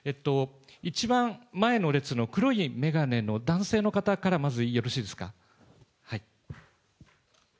一番前の列の黒い眼鏡の男性の方からまずよろしいですか。